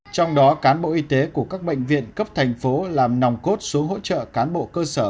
trong đó cán bộ y tế của các bệnh viện cấp thành phố làm nòng cốt số hỗ trợ cán bộ cơ sở